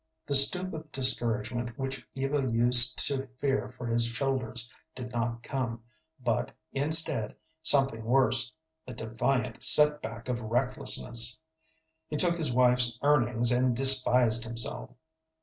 The stoop of discouragement which Eva used to fear for his shoulders did not come, but, instead, something worse the defiant set back of recklessness. He took his wife's earnings and despised himself.